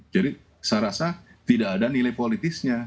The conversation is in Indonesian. jadi saya rasa tidak ada nilai politisnya